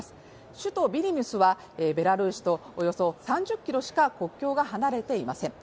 首都ビリニュスはベラルーシとおよそ３０ｋｍしか国境が離れていません。